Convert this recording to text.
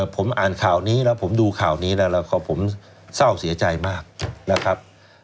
ผมอ่านข่าวนี้แล้วผมดูข่าวนี้แล้วก็ผมเศร้าเสียใจมากนะครับ